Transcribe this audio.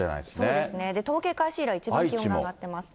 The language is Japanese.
そうですね、統計開始以来、一番気温が上がっています。